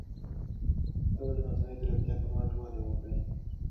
پښتو به د مصنوعي ځیرکتیا په مټ وده وکړي.